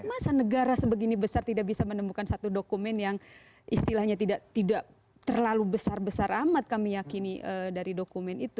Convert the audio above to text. masa negara sebegini besar tidak bisa menemukan satu dokumen yang istilahnya tidak terlalu besar besar amat kami yakini dari dokumen itu